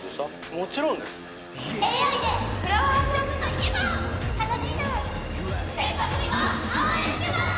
もちろんですＡＩでフラワーショップといえば花ヴィーナスてんぱ組も応援してます！